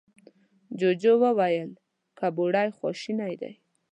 جوجو وويل، کربوړی خواشينی دی.